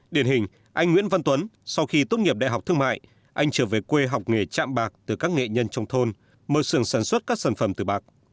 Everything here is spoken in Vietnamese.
điển hình anh nguyễn văn tuấn sau khi tốt nghiệp đại học thương mại anh trở về quê học nghề chạm bạc từ các nghệ nhân trong thôn mở sưởng sản xuất các sản phẩm từ bạc